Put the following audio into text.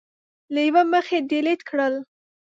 له یوې مخې ډیلېټ کړل